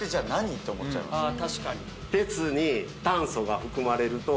確かに。